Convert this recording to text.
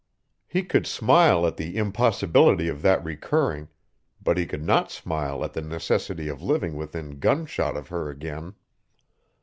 He could smile at the impossibility of that recurring, but he could not smile at the necessity of living within gunshot of her again.